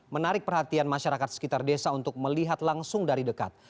menarik perhatian masyarakat sekitar desa untuk melihat langsung dari dekat